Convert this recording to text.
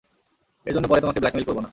এর জন্য পরে তোমাকে ব্ল্যাকমেইল করব না।